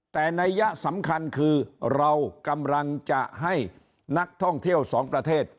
แต่นัยยะสำคัญคือเรากำลังจะให้นักท่องเที่ยวสองประเทศ